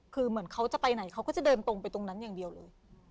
คือเหมือนเขาจะไปไหนเขาก็จะเดินตรงไปตรงนั้นอย่างเดียวเลย